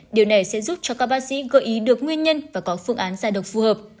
điều này sẽ giúp cho các bác sĩ gợi ý được nguyên nhân và có phương án giải độc phù hợp